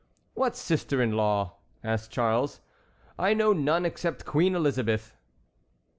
"What sister in law?" asked Charles. "I know none except Queen Elizabeth."